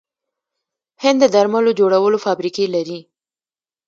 هند د درملو جوړولو فابریکې لري.